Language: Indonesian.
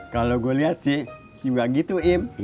kalau gue lihat sih juga gitu im